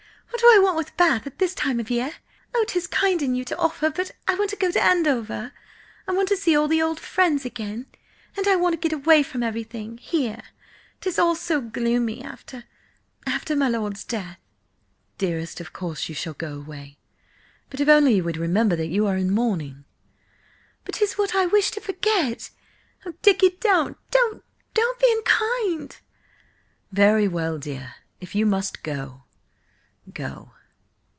What do I want with Bath at this time of the year? Oh, 'tis kind in you to offer, but I want to go to Andover! I want to see all the old friends again. And I want to get away from everything here–'tis all so gloomy–after–after my lord's death!" "Dearest, of course you shall go away–but if only you would remember that you are in mourning—" "But 'tis what I wish to forget! Oh, Dicky, don't, don't, don't be unkind." "Very well, dear. If you must go–go."